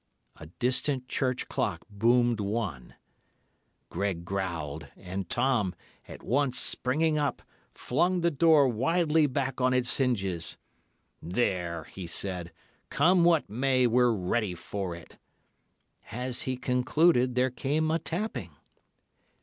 A distant church clock boomed one. Greg growled, and Tom, at once springing up, flung the door widely back on its hinges. 'There,' he said. 'Come what may, we're ready for it.' As he concluded, there came a tapping.